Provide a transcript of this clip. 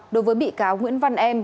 đối với bị cáo nguyễn văn em